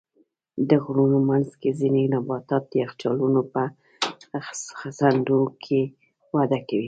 د غرونو منځ کې ځینې نباتات د یخچالونو په څنډو کې وده کوي.